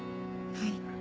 はい。